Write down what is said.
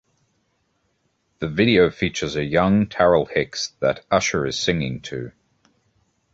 The video features a young Taral Hicks, that Usher is singing to.